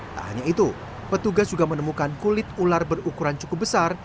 tak hanya itu petugas juga menemukan kulit ular berukuran cukup besar